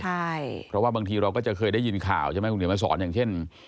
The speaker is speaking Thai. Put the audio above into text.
ใช่เพราะว่าบางทีเราก็จะเคยได้ยินข่าวใช่ไหมคุณเดี๋ยวมาสอนอย่างเช่น